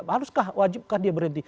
haruskah wajibkah dia berhenti